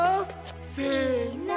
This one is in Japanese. せの！